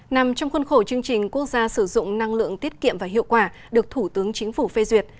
nằm trong khuôn khổ chương trình quốc gia sử dụng năng lượng tiết kiệm và hiệu quả được thủ tướng chính phủ phê duyệt